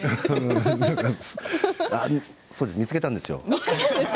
そうなんです見つけたんですよ。